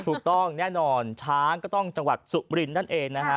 ถูกต้องแน่นอนช้างก็ต้องจังหวัดสุมรินนั่นเองนะฮะ